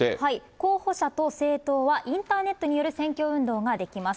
候補者と政党はインターネットによる選挙運動ができます。